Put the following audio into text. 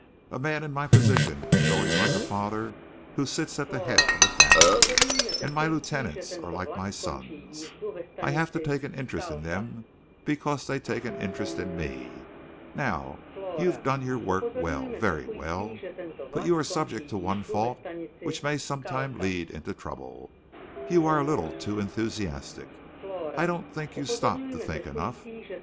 A man in my position is always like a father who sits at the head of a family, and my lieutenants are like my sons. I have to take an interest in them because they take an interest in me. Now you've done your work well very well, but you are subject to one fault which may sometime lead into trouble. You're a little too enthusiastic. I don't think you stop to think enough.